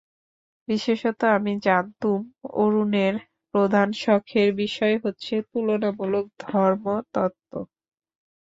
বিশেষত আমি জানতুম, অরুণের প্রধান শখের বিষয় হচ্ছে তুলনামূলক ধর্মতত্ত্ব।